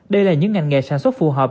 đây là những ngành nghề sản xuất phù hợp